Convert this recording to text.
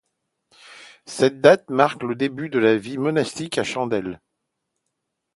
Cette date marque le début de la vie monastique à Chantelle.